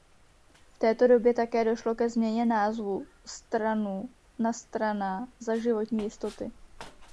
V této době také došlo ke změně názvu stranu na Strana za životní jistoty.